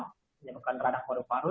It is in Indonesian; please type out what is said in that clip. menyebarkan radang korup korup